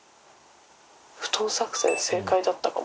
布団作戦正解だったかも。